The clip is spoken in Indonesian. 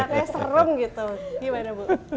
kayaknya serem gitu gimana bu